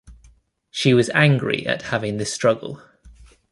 She was angry at having this struggle.